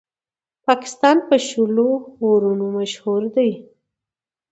پاکستان په شلو اورونو مشهور دئ.